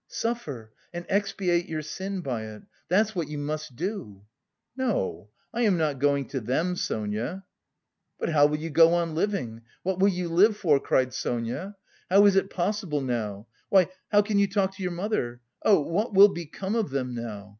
"Suffer and expiate your sin by it, that's what you must do." "No! I am not going to them, Sonia!" "But how will you go on living? What will you live for?" cried Sonia, "how is it possible now? Why, how can you talk to your mother? (Oh, what will become of them now?)